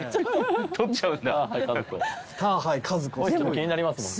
気になりますもんね。